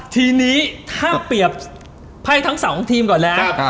ทีนี้ถ้าเปรียบไพ่ทั้งสองทีมก่อนแล้ว